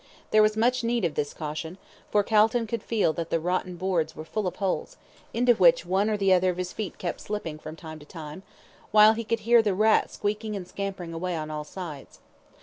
There was much need of this caution, for Calton could feel that the rotten boards were full of holes, into which one or the other of his feet kept slipping from time to time, while he could hear the rats squeaking and scampering away on all sides.